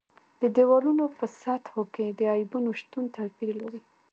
د دېوالونو په سطحو کې د عیبونو شتون توپیر لري.